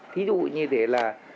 thí dụ như thế là